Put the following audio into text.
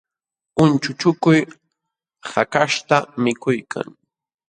Unchuchukuy hakaśhta mikuykan